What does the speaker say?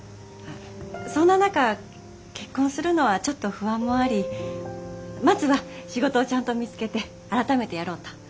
そんな中結婚するのはちょっと不安もありまずは仕事をちゃんと見つけて改めてやろうと。